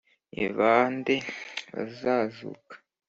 Ni ba nde bazazuka?